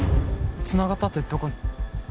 つながったってどこに？